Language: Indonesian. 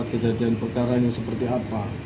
empat kejadian berkaranya seperti apa